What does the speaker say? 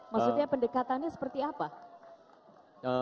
maksudnya pendekatannya seperti apa